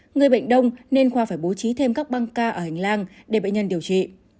người bệnh đông nên khoa phải bố trí thêm các băng ca ở hành lang để bệnh nhân điều trị